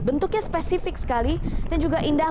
bentuknya spesifik sekali dan juga indah